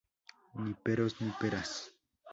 Ni peros, ni peras